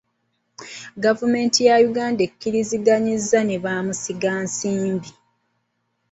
Gavumenti ya Uganda ekkiriziganyizza ne bamusigansimbi.